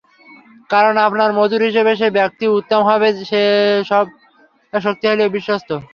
কারণ, আপনার মজুর হিসেবে সে ব্যক্তিই উত্তম হবে যে হবে শক্তিশালী ও বিশ্বস্ত।